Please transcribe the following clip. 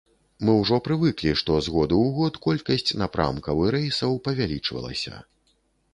Мы ўжо прывыклі, што з году ў год колькасць напрамкаў і рэйсаў павялічвалася.